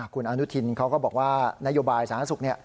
คุณอนุทินเขาก็บอกว่านโยบายสาธารณสุข